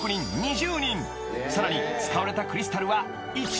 ［さらに使われたクリスタルは１万個！］